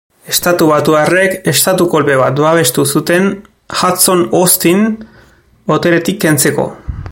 Estatubatuarrek estatu-kolpe bat babestu zuten Hudson Austin boteretik kentzeko.